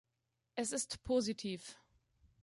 Es ist positiv.